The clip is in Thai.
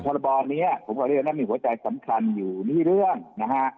แต่ทรบรเนี่ยผมก็เรียกว่านั้นมีหัวใจสำคัญอยู่ในเรื่องนะฮะ